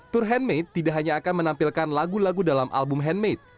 tour handmade tidak hanya akan menampilkan lagu lagu dalam album handmade